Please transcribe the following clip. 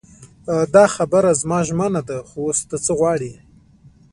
دا خبره زما ژمنه ده خو اوس ته څه غواړې.